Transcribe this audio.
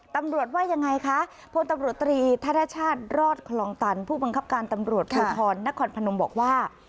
ตำรวจว่ายังไงคะพตรทรรคลองตันผู้บังคับการตำรวจพนพนบอกว่า